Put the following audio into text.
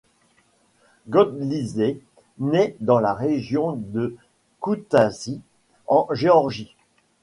Goglidzé naît dans la région de Koutaïssi en Géorgie.